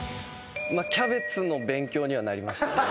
キャベツの勉強にはなりましたね。